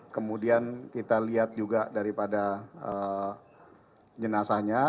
kemudian kita lihat juga daripada jenazahnya